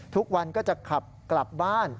ทุกวันก็จะขับกลับบ้าน